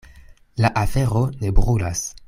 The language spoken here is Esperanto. La afero ne brulas.